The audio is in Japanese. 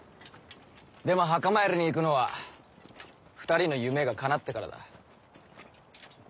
でも墓参りに行くのは２人の夢が叶ってからだ。